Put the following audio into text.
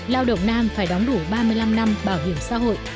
lao động nam phải đóng đủ ba mươi năm năm bảo hiểm xã hội